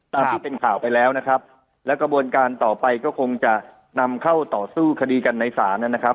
ตามที่เป็นข่าวไปแล้วนะครับแล้วกระบวนการต่อไปก็คงจะนำเข้าต่อสู้คดีกันในศาลนะครับ